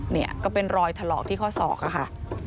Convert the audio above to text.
เนี่ยก็เป็นรอยถลอกที่ข้อศอกอะค่ะ